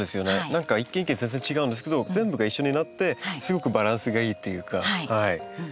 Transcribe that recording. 何か一見全然違うんですけど全部が一緒になってすごくバランスがいいっていうか。